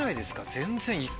全然。